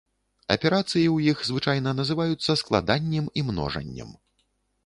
Аперацыі ў іх звычайна называюцца складаннем і множаннем.